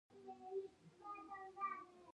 کلینیکونه لومړني خدمات ورکوي